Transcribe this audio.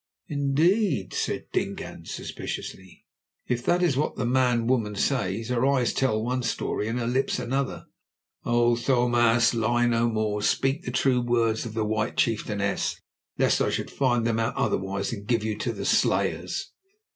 "Indeed," said Dingaan suspiciously, "if that is what this man woman says, her eyes tell one story and her lips another. Oh! Tho maas, lie no more. Speak the true words of the white chieftainess, lest I should find them out otherwise, and give you to the slayers."